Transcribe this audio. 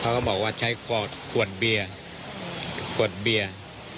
ก็บอกว่าใช้ขวดเบียร์ขวดเบียร์